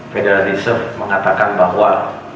federal deserve mengatakan bahwa